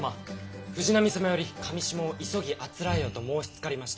藤波様より裃を急ぎあつらえよと申しつかりました。